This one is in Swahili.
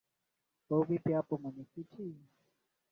o vipi hapo mwenyekiti huyo si mtu huo